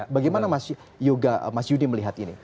bagaimana mas yudi melihat ini